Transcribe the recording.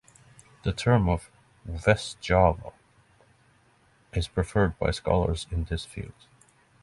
The term of "West Java" is preferred by scholars in this field.